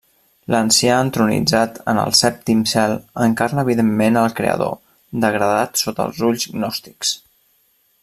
L'Ancià entronitzat en el sèptim cel encarna evidentment al Creador, degradat sota els ulls gnòstics.